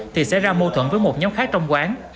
thì xảy ra mâu thuẫn với một nhóm khác trong quán